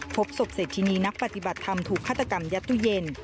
พบศพเสร็จที่นี่นักปฏิบัติทำถูกฆาตกรรมยัตเต้าเย็น